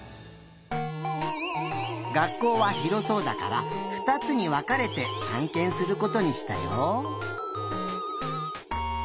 学校はひろそうだからふたつにわかれてたんけんすることにしたよ。